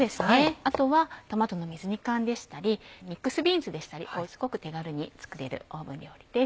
あとはトマトの水煮缶でしたりミックスビーンズでしたりすごく手軽に作れるオーブン料理です。